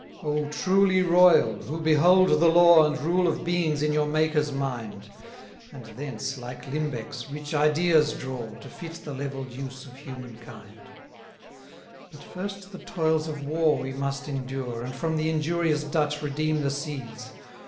166 O truly royal! who behold the law And rule of beings in your Maker's mind: And thence, like limbecks, rich ideas draw, To fit the levell'd use of human kind. 197 But first the toils of war we must endure, And from the injurious Dutch redeem the seas.